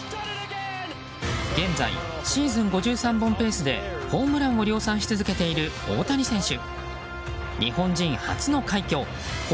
現在、シーズン５３本ペースでホームランを量産し続けている大谷選手。